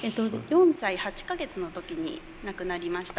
４歳８か月の時に亡くなりました。